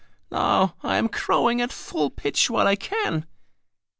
Now I am crowing at full pitch while I can."